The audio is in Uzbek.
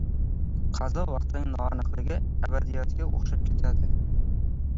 qazo vaqtining noaniqligi abadiyatga o‘xshab ketadi.